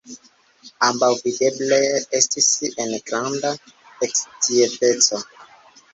Ambaŭ videble estis en granda eksciteco.